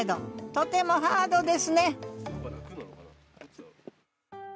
とてもハードですね